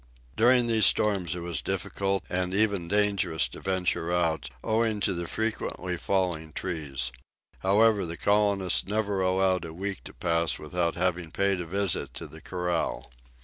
During these storms it was difficult and even dangerous to venture out, owing to the frequently falling trees; however, the colonists never allowed a week to pass without having paid a visit to the corral.